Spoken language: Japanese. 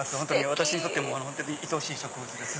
私にとっていとおしい植物です。